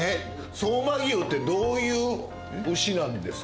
相馬牛ってどういう牛なんですか？